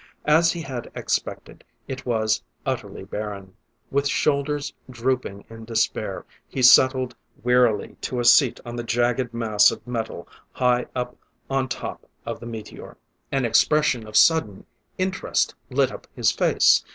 As he had expected, it was utterly barren. With shoulders drooping in despair he settled wearily to a seat on the jagged mass of metal high up on top of the meteor. An expression of sudden interest lit up his face.